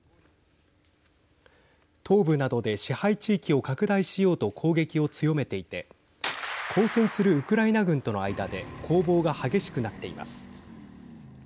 東部などで支配地域を拡大しようと攻撃を強めていて抗戦するウクライナ軍との間で攻防が激しくなっています。